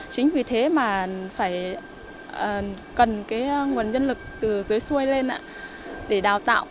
chính vì thế mà phải cần cái nguồn nhân lực từ dưới xuôi lên để đào tạo